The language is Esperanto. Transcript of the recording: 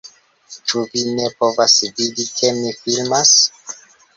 Ĉu vi ne povas vidi, ke mi filmas?